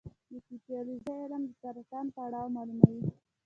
د پیتالوژي علم د سرطان پړاو معلوموي.